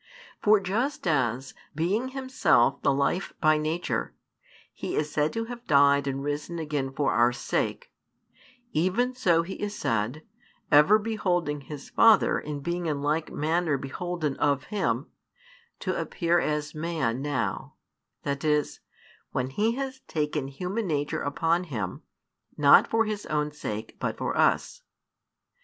For just as, being Himself the Life by Nature, He is said to have died and risen again for our sake, even so He is said, ever beholding His Father and being in like manner beholden of Him, to appear as Man now, that is, when He has taken human nature upon Him, not for His own sake but for us.